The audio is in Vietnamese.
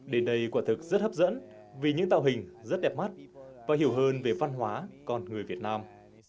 đến đây quả thực rất hấp dẫn vì những tạo hình rất đẹp mắt và hiểu hơn về văn hóa con người việt nam